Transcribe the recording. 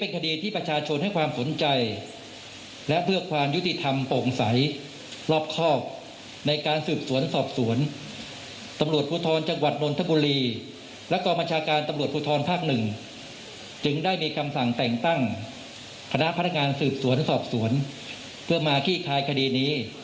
การที่ประชาชนให้ความสนใจและเบื้องความยุติธรรมปรุงสัยรอบครอบในการสืบสวนสอบสวน